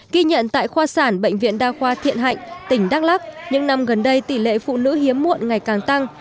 ghi nhận tại khoa sản bệnh viện đa khoa thiện hạnh tỉnh đắk lắc những năm gần đây tỷ lệ phụ nữ hiếm muộn ngày càng tăng